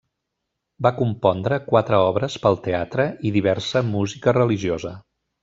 Va compondre quatre obres pel teatre i diversa música religiosa.